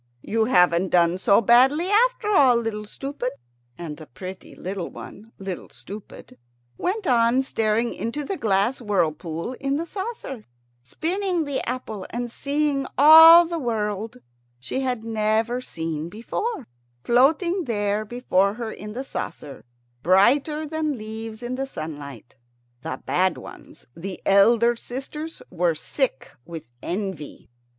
"You haven't done so badly after all, Little Stupid." And the little pretty one, Little Stupid, went on staring into the glass whirlpool in the saucer, spinning the apple, and seeing all the world she had never seen before, floating there before her in the saucer, brighter than leaves in sunlight. The bad ones, the elder sisters, were sick with envy.